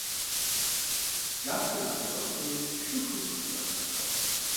Кӏапсэр зэпигъэхури шым хуит зыкъищӏащ.